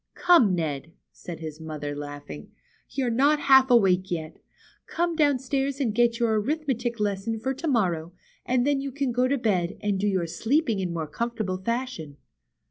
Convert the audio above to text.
Come, Ned," said his mother, laughing; you're not half awake yet. Come downstairs and get your arithmetic lesson for to morrow, and then you can go to bed, and do your sleeping in more comfortable fashion."